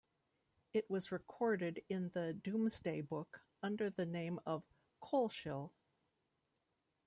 It was recorded in the Domesday Book under the name of Coleshill.